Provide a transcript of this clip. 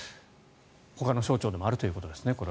ほかの省庁でもあるということですね。